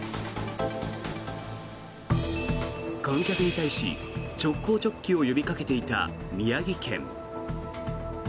観客に対し、直行直帰を呼びかけていた宮城県。